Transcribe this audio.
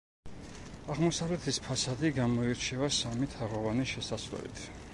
აღმოსავლეთის ფასადი გამოირჩევა სამი თაღოვანი შესასვლელით.